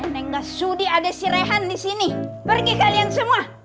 nenek gak sudi ada si rehan disini pergi kalian semua